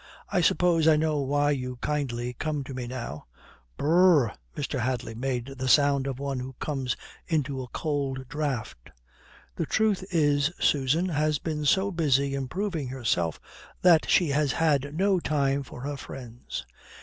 "I suppose I know why you kindly come to me now." "B r r r r!" Mr. Hadley made the sound of one who comes into a cold draught. "The truth is, Susan has been so busy improving herself that she has had no time for her friends.